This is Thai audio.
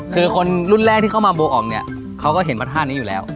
คือคนรุ่นแรกที่เข้ามาโบอ่องเนี่ยเขาก็เห็นพระธาตุนี้อยู่แล้ว